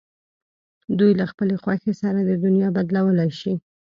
دوی له خپلې خوښې سره دنیا بدلولای شي.